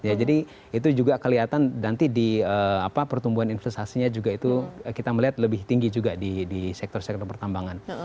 ya jadi itu juga kelihatan nanti di pertumbuhan investasinya juga itu kita melihat lebih tinggi juga di sektor sektor pertambangan